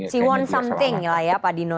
dia ingin sesuatu ya pak dino